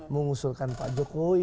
mengusulkan pak jokowi